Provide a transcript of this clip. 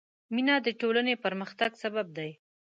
مینه د ټولنې پرمختګ سبب دی.